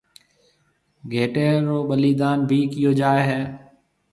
گھيَََٽَي رو ٻَليدون ڀِي ڪيو جائي هيَ۔